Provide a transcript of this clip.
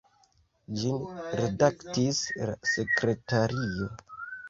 Ĝin redaktis la sekretario.